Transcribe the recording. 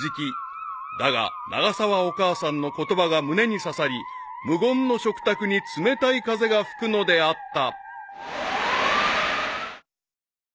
［だが永沢お母さんの言葉が胸に刺さり無言の食卓に冷たい風が吹くのであった］